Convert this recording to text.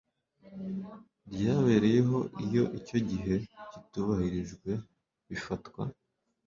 ryabereyeho iyo icyo gihe kitubahirijwe bifatwa